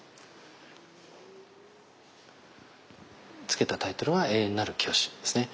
付けたタイトルは「永遠なるキヨシ」ですね。